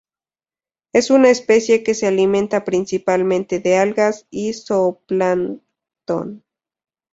Es una especie que se alimenta principalmente de algas y zooplancton.